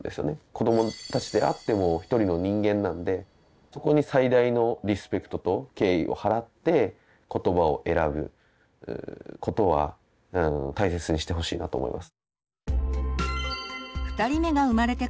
子どもたちであっても一人の人間なんでそこに最大のリスペクトと敬意をはらって言葉を選ぶことは大切にしてほしいなと思います。